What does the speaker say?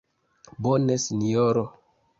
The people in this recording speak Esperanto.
Bone, Sinjoro.